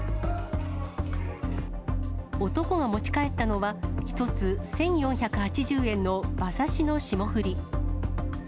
男が持ち帰ったのは、１つ１４８０円の馬刺しの霜降り。